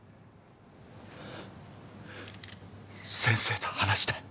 先生と話したい。